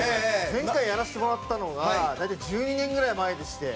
前回やらせてもらったのが大体１２年ぐらい前でして。